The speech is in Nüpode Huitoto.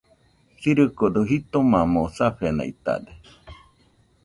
Sirikodo jitomamo safenaitade.